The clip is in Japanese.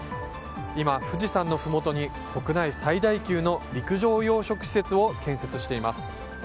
今、富士山のふもとに国内最大級の陸上養殖施設を建設しています。